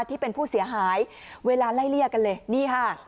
ที่เป็นผู้เสียหายเวลาไล่เลี่ยกันเลยนี่ค่ะ